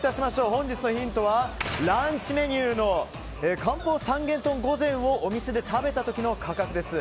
本日のヒントはランチメニューの漢方三元豚御膳をお店で食べた時の価格です。